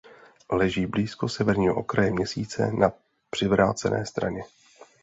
Leží blízko severního okraje Měsíce na přivrácené straně.